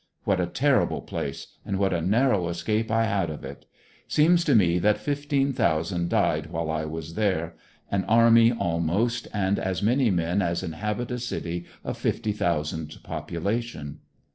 What a terrible place and what a narrow escape I had of it Seems to me that fifteen thousand died while I was there; an army almost and as many men as inhabit a city of fifty thousand population.